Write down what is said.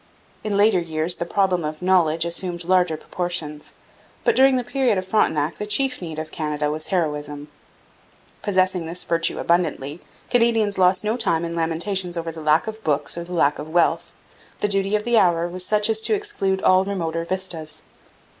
In later years the problem of knowledge assumed larger proportions, but during the period of Frontenac the chief need of Canada was heroism. Possessing this virtue abundantly, Canadians lost no time in lamentations over the lack of books or the lack of wealth. The duty of the hour was such as to exclude all remoter vistas.